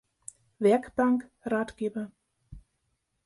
Werkbank Ratgeber